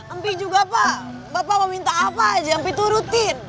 empik juga pak bapak mau minta apa aja empik tuh rutin